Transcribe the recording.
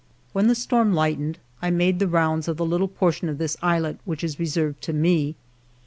When the storm lightened, I made the rounds of the little portion of this islet which is reserved to me.